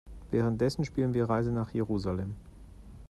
Währenddessen spielen wir Reise nach Jerusalem.